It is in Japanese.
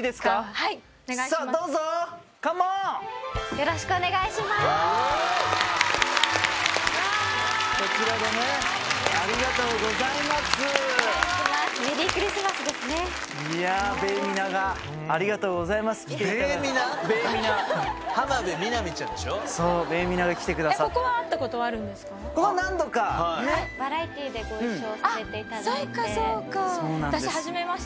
はいバラエティーでご一緒させていただいて。